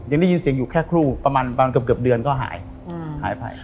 ยังได้ยินเสียงอยู่แค่ครู่ประมาณเกือบเดือนก็หายหายไป